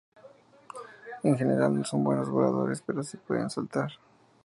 En general no son buenos voladores pero sí pueden saltar.